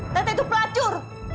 teteh itu pelacur